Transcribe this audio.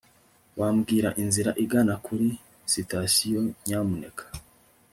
wambwira inzira igana kuri sitasiyo, nyamuneka